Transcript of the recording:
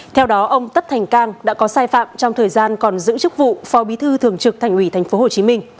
theo đó ông tất thành cang đã có sai phạm trong thời gian còn giữ chức vụ phó bí thư thường trực thành ủy tp hcm